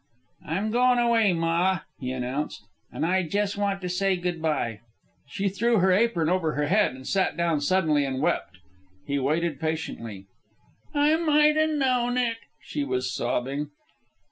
"I'm goin' away, ma," he announced, "an' I jes' want to say good bye." She threw her apron over her head and sat down suddenly and wept. He waited patiently. "I might a known it," she was sobbing.